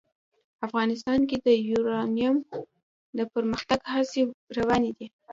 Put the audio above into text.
افغانستان کې د یورانیم د پرمختګ هڅې روانې دي.